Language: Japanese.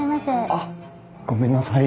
あっごめんなさい。